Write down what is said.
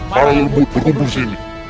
para lembut berkumpul sini